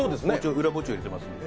裏包丁入れてますので。